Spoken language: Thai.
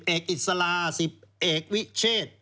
๑๐เอกอิสระ๑๐เอกวิเชษ